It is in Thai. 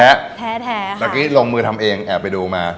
เมื่อกี้ลงมือทำเองแอบไปดูมา